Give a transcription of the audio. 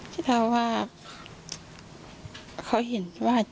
คิดว่าเขาเห็นว่าเจ๊จิ๋ม